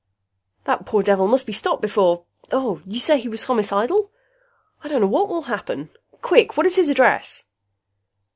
"That poor devil must be stopped before you say he was homicidal? I don't know what will happen! Quick, what is his address?"